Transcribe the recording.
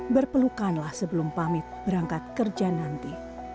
berpelukanlah sebelum pamit berangkat kerja nanti